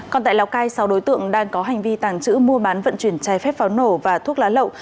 còn tại lào cai sáu đối tượng đang có hành vi tàng trữ mua bán vận chuyển trái phép pháo nổ và thuốc lá lậu